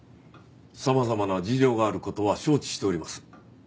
様々な事情がある事は承知しております。